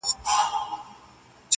اې د مځكى پر مخ سيورې د يزدانه .!